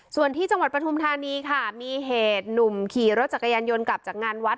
ส่วนที่จังหวัดปฐุมธานีค่ะมีเหตุหนุ่มขี่รถจักรยานยนต์กลับจากงานวัด